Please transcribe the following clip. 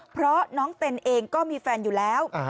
เพราะน้องเต้นเองก็มีแฟนอยู่แล้ว